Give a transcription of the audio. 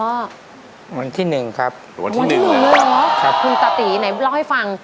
วันที่หนึ่งครับวันที่หนึ่งเหรอครับคุณตาตีไหนเล่าให้ฟัง